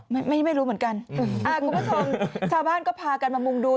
ไม่รู้ไม่รู้เหมือนกันอ่าคุณผู้ชมชาวบ้านก็พากันมามุงดู